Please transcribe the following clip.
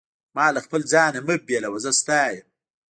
ما له خپل ځانه مه بېلوه، زه ستا یم.